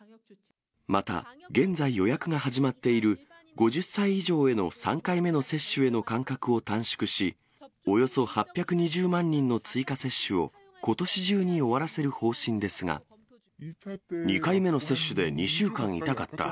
また、現在予約が始まっている、５０歳以上への３回目の接種への間隔を短縮し、およそ８２０万人の追加接種を、２回目の接種で２週間痛かった。